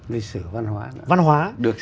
lịch sử văn hóa